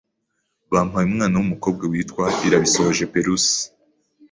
bampaye umwana w’umukobwa witwa IRABISOHOJE Perusi